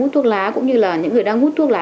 thuốc lá cũng như là những người đang hút thuốc lá